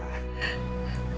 sokak tuh gak apa apa